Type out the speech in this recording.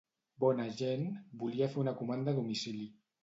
Bona gent, volia fer una comanda a domicili.